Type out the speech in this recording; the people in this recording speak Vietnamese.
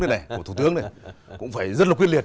này của thủ tướng này cũng phải rất là quyết liệt